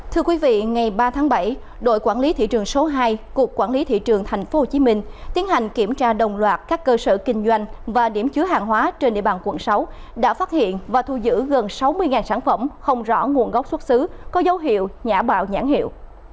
thưa quý vị ngày ba tháng bảy đội quản lý thị trường số hai cục quản lý thị trường tp hcm tiến hành kiểm tra đồng loạt các cơ sở kinh doanh và điểm chứa hàng hóa trên địa bàn quận sáu đã phát hiện và thu giữ gần sáu mươi sản phẩm không rõ nguồn gốc xuất xứ có dấu hiệu nhã mạo nhãn hiệu